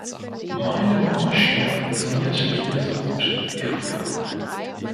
Meine Bohrmaschine funktioniert nicht mehr so gut wie früher.